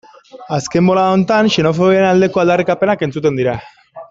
Azken bolada honetan xenofobiaren aldeko aldarrikapenak entzuten dira.